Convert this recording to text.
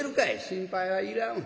「心配はいらん。